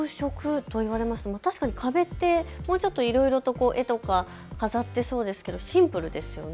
確かに壁ってもう少しいろいろと絵とか飾っていそうですけれどもシンプルですね。